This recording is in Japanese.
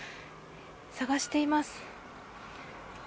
探しています。